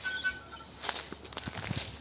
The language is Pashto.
خیر محمد ته د تلیفون غږ یو ډول ارامي بښله.